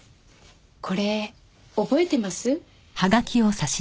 これ覚えてます？